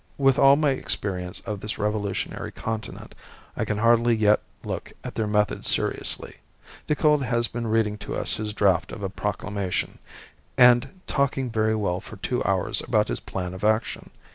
With all my experience of this revolutionary continent, I can hardly yet look at their methods seriously. Decoud has been reading to us his draft of a proclamation, and talking very well for two hours about his plan of action.